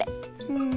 うん。